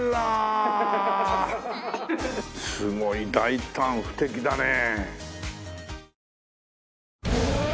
すごい大胆不敵だね。